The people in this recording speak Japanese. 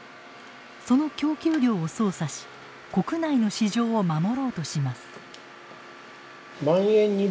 その供給量を操作し国内の市場を守ろうとします。